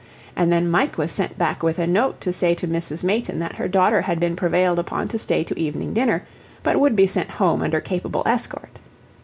And then Mike was sent back with a note to say to Mrs. Mayton that her daughter had been prevailed upon to stay to evening dinner, but would be sent home under capable escort.